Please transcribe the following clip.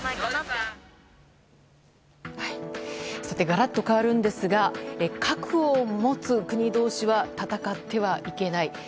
さて、ガラッと変わるんですが核を持つ国同士は戦ってはいけない。